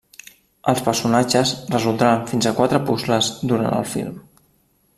Els personatges resoldran fins a quatre puzles durant el film.